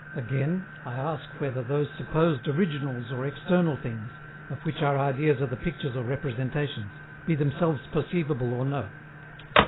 Again, I ask whether those supposed originals or external things, of which our ideas are the pictures or representations, be themselves perceivable or no?